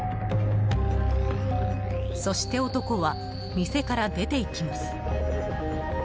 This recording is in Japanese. そして、男は店から出ていきます。